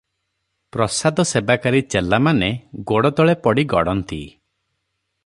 ପ୍ରସାଦସେବାକାରୀ ଚେଲାମାନେ ଗୋଡ଼ତଳେ ପଡ଼ି ଗଡ଼ନ୍ତି ।